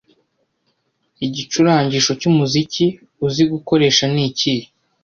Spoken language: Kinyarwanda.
Igicurangisho cyumuziki uzi gukoresha ni ikihe